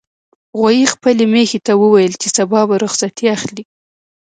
غویي خپلې میښې ته وویل چې سبا به رخصتي اخلي.